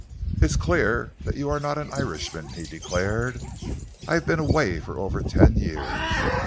"It's clear that you are not an Irishman!" he declared. "I've been away for over ten years.